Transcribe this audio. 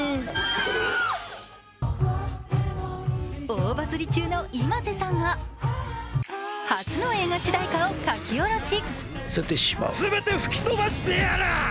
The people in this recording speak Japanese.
大バズり中のｉｍａｓｅさんが初の映画主題歌を書き下ろし。